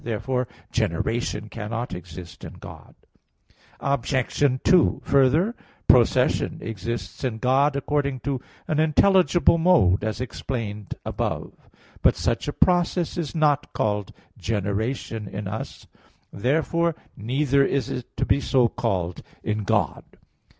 Therefore generation cannot exist in God. Obj. 2: Further, procession exists in God, according to an intelligible mode, as above explained (A. 1). But such a process is not called generation in us; therefore neither is it to be so called in God.